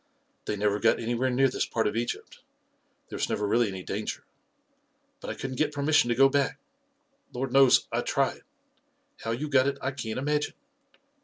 " They never got anywhere near this part of Egypt — there was never really any danger. But I couldn't get permis 96 A KING IN BABYLON sion to go back — Lord knows, I tried I How you got it, I can't imagine.